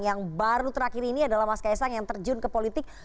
yang baru terakhir ini adalah mas kaisang yang terjun ke politik